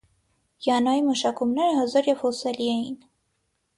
Յանոյի մշակումները հզոր և հուսալի էին։